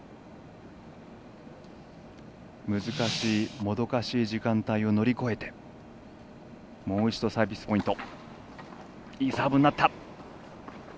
難しいもどかしい時間帯を乗り越えて、もう一度サービスポイント。